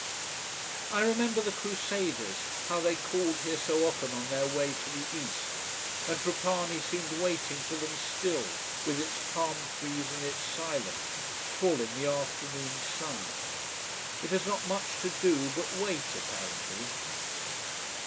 I remember the Crusaders, how they called here so often on their way to the East. And Trapani seems waiting for them still, with its palm trees and its silence, full in the afternoon sun. It has not much to do but wait, apparently.